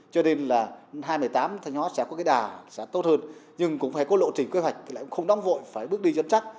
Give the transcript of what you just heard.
cho nên là năm hai nghìn một mươi tám thanh hóa sẽ có cái đà sẽ tốt hơn nhưng cũng phải có lộ trình kế hoạch lại không đóng vội phải bước đi chấn trắc